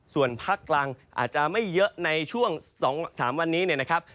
ส่วนภาคกลางอาจจะไม่เยอะในช่วง๒๓วันนี้เนี่ยนะครับ